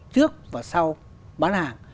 trước và sau bán hàng